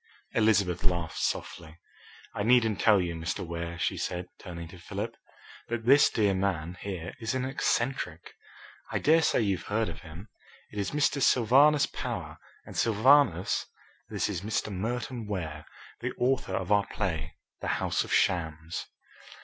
Elizabeth laughed softly. "I needn't tell you, Mr. Ware," she said, turning to Philip, "that this dear man here is an eccentric. I dare say you've heard of him. It is Mr. Sylvanus Power, and Sylvanus, this is Mr. Merton Ware, the author of our play 'The House of Shams.'"